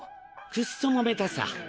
くっそ揉めたさ。